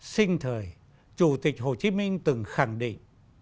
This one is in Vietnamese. sinh thời chủ tịch hồ chí minh từng khẳng định